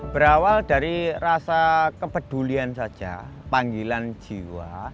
berawal dari rasa kepedulian saja panggilan jiwa